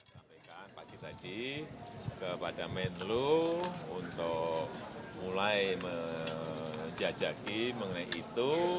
saya mengucapkan pagi tadi kepada menlo untuk mulai menjajaki mengenai itu